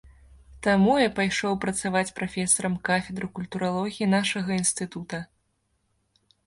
Таму я пайшоў працаваць прафесарам кафедры культуралогіі нашага інстытута.